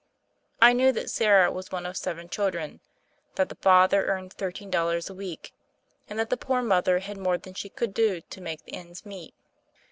I knew that Sarah was one of seven children ; that the father earned thirteen dollars a week; and that the poor mother had more than she could do to make ends meet.